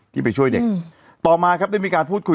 ไปช่วยเด็กต่อมาครับได้มีการพูดคุย